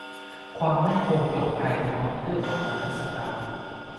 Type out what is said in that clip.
ความมั่นคงปลอดภัยทางคอมพิวเตอร์ของรัฐสภา